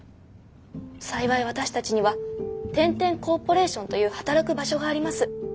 幸い私たちには天・天コーポレーションという働く場所があります。